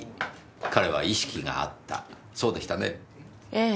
ええ。